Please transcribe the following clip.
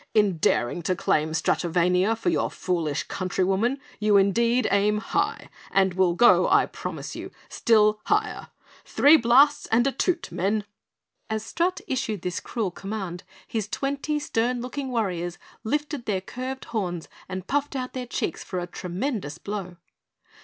In daring to claim Stratovania for your foolish countrywoman, you indeed aim high and will go, I promise you, still higher! Three blasts and a toot, men!" As Strut issued this cruel command, his twenty, stern looking warriors lifted their curved horns and puffed out their cheeks for a tremendous blow.